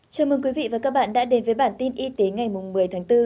chào mừng quý vị và các bạn đã đến với bản tin y tế ngày một mươi tháng bốn